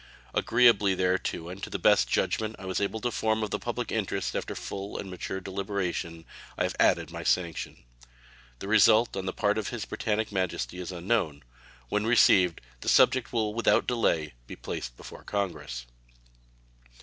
Agreeably thereto, and to the best judgment I was able to form of the public interest after full and mature deliberation, I have added my sanction. The result on the part of His Britannic Majesty is unknown. When received, the subject will without delay be placed before Congress.